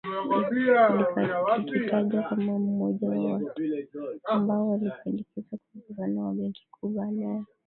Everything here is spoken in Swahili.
likitajwa kama mmoja wa watu ambao walipendekezwa kuwa Gavana wa Benki Kuu baada ya